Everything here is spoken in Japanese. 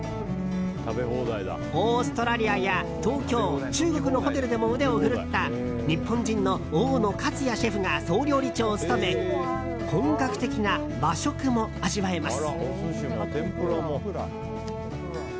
オーストラリアや東京中国のホテルでも腕を振るった日本人の大野勝也シェフが総料理長を務め本格的な和食も味わえます。